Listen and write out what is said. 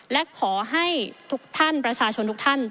และขอให้ทุกท่านประชาชนทุกท่าน